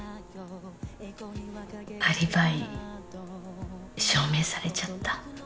アリバイ証明されちゃった